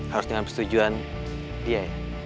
harus dengan persetujuan dia ya